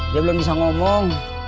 dia belum bisa ngomong